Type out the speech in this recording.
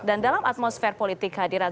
dan dalam atmosfer politik hadiran